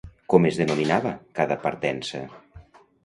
Com es denominava cada partença?